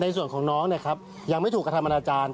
ในส่วนของน้องเนี่ยครับยังไม่ถูกกับธรรมนาจารย์